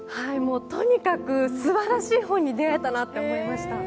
とにかく素晴らしい本に出会えたなと思いました。